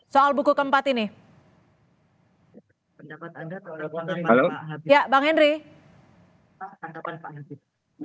soal buku keempat ini